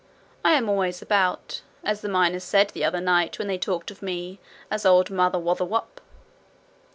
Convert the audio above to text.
I am always about, as the miners said the other night when they talked of me as Old Mother Wotherwop.'